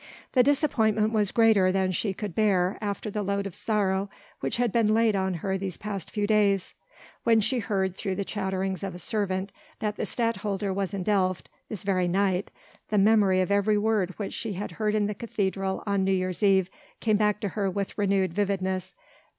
The disappointment was greater than she could bear after the load of sorrow which had been laid on her these past few days. When she heard through the chatterings of a servant that the Stadtholder was at Delft this very night, the memory of every word which she had heard in the cathedral on New Year's Eve came back to her with renewed vividness.